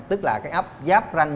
tức là cái ấp giáp ranh